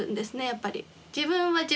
やっぱり。